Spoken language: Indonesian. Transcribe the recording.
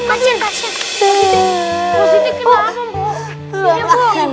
oh ini berencana